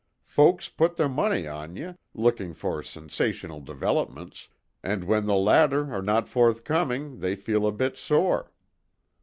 Folks put their money on ye, looking for sensational developments, and when the latter are no forthcoming they feel a bit sore."